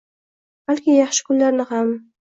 balki yaxshi kunlarni ham